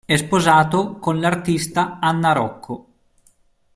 È sposato con l'artista Anna Rocco.